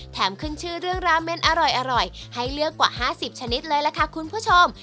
ขึ้นชื่อเรื่องราเมนอร่อยให้เลือกกว่า๕๐ชนิดเลยล่ะค่ะคุณผู้ชม